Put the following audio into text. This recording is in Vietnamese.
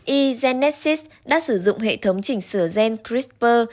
egenesis đã sử dụng hệ thống chỉnh sửa gen crispr